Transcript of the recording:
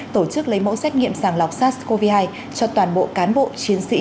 tổ chức lấy mẫu xét nghiệm sàng lọc sars cov hai cho toàn bộ cán bộ chiến sĩ